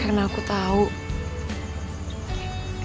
ah ya udah pukul pukul